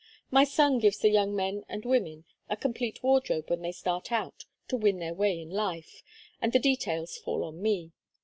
My son gives the young men and women a complete wardrobe when they start out to win their way in life, and the details fall on me.